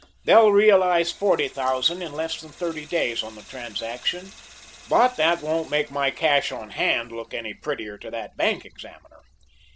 They'll realise $40,000 in less than thirty days on the transaction, but that won't make my cash on hand look any prettier to that bank examiner.